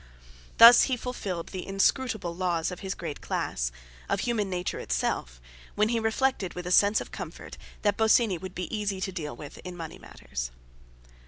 Thus he fulfilled the inscrutable laws of his great class—of human nature itself—when he reflected, with a sense of comfort, that Bosinney would be easy to deal with in money matters.